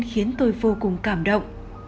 khiến tôi vô cùng cảm động